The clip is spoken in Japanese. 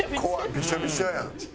ビショビショやん。